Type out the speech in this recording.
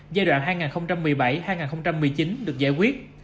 giai đoạn hai nghìn một mươi bảy hai nghìn một mươi chín được giải quyết